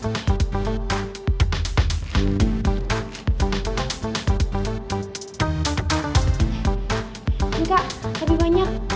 nggak lebih banyak